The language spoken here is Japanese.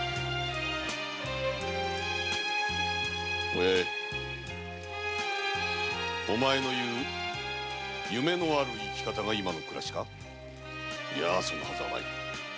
お八重お前の言う夢のある生き方が今の暮らしかいやそんなはずはない